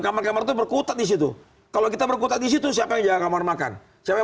kamar kamar itu berkutat di situ kalau kita berkutat di situ sampai jangan makan saya